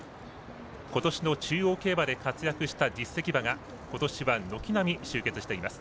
今年の中央競馬で活躍した実績馬が今年は軒並み集結しています。